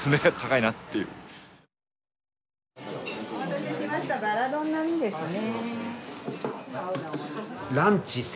お待たせしましたバラ丼並ですね。